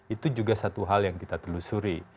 itu juga satu hal yang kita telusuri